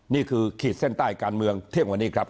ขีดเส้นใต้การเมืองเที่ยงวันนี้ครับ